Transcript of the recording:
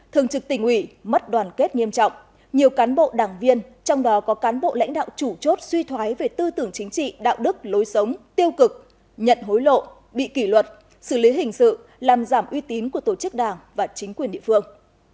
thường trực tỉnh ủy mất đoàn kết nghiêm trọng nhiều cán bộ đảng viên trong đó có cán bộ lãnh đạo chủ chốt suy thoái về tư tưởng chính trị đạo đức lối sống tiêu cực nhận hối lộ bị kỷ luật xử lý hình sự làm giảm uy tín của tổ chức đảng và chính quyền địa phương